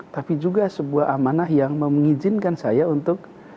tapi juga sebuah amanah yang mengizinkan saya untuk